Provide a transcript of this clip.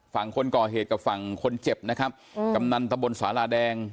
ฝั่งคนก่อเหตุกับฝั่งคนเจ็บนะครับกำนันตะบนสาราแดง